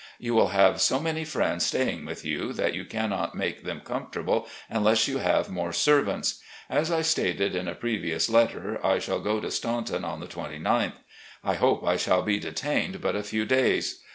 You will have so many friends staying with you that you cannot make them comfortable unless you have more SCTvants. As I stated in a previous letter, I shall go to Staunton on the 29th. I hope I shall be detained but a few days.